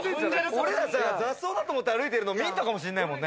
俺ら雑草だと思って歩いてるの、ミントかもしれないもんね。